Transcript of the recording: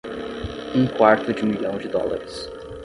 Um quarto de milhão de dólares.